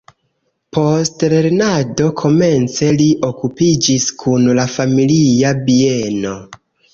Post lernado komence li okupiĝis kun la familia bieno.